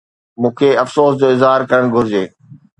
مون کي افسوس جو اظهار ڪرڻ گهرجي؟